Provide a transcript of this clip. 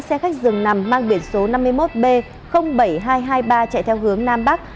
xe khách dường nằm mang biển số năm mươi một b bảy nghìn hai trăm hai mươi ba chạy theo hướng nam bắc